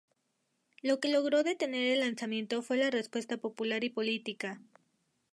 Lo que logró detener el alzamiento fue la respuesta popular y política.